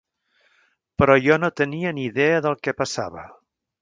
Però jo no tenia ni idea del què passava.